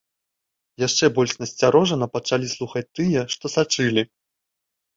Яшчэ больш насцярожана пачалі слухаць тыя, што сачылі.